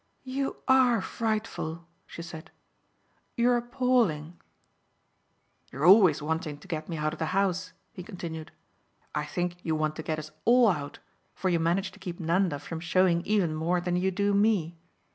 "You ARE frightful," she said. "You're appalling." "You're always wanting to get me out of the house," he continued; "I think you want to get us ALL out, for you manage to keep Nanda from showing even more than you do me.